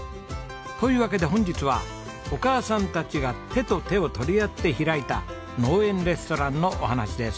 というわけで本日はお母さんたちが手と手を取り合って開いた農園レストランのお話です。